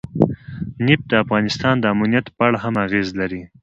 نفت د افغانستان د امنیت په اړه هم اغېز لري.